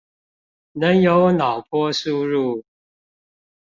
能有腦波輸入